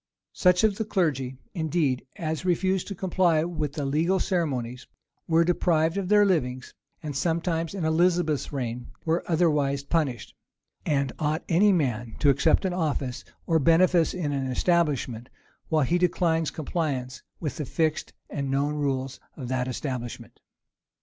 Such of the clergy, indeed, as refused to comply with the legal ceremonies, were deprived of their livings, and sometimes, in Elizabeth's reign, were otherwise punished: and ought any man to accept of an office or benefice in an establishment, while he declines compliance with the fixed and known rules of that establishment?